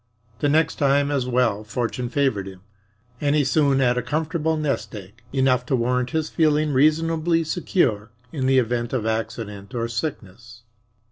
The next time as well fortune favored him, and he soon had a comfortable nest egg enough to warrant his feeling reasonably secure in the event of accident or sickness.